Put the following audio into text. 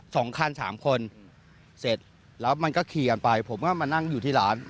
สองคันสามคนเสร็จแล้วมันก็ขี่กันไปผมก็มานั่งอยู่ที่ร้าน